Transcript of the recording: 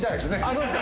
そうですか。